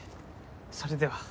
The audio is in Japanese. それでは。